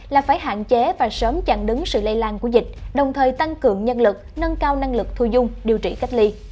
là phải hạn chế và sớm chặn đứng sự lây lan của dịch đồng thời tăng cường nhân lực nâng cao năng lực thu dung điều trị cách ly